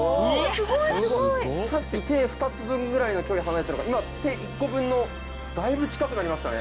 さっき手２つ分ぐらいの距離離れてたから今手１個分の。だいぶ近くなりましたね。